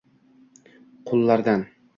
qullardan